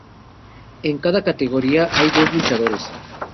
En cada categoría hay dos luchadores.